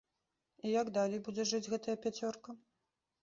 І як далей будзе жыць гэтая пяцёрка?